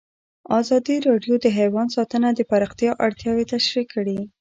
ازادي راډیو د حیوان ساتنه د پراختیا اړتیاوې تشریح کړي.